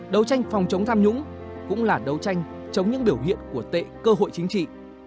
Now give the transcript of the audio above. đấu tranh phòng chống tham nhũng cũng là đấu tranh chống những biểu hiện của tệ cơ hội chính trị